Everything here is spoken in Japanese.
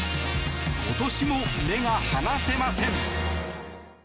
今年も目が離せません。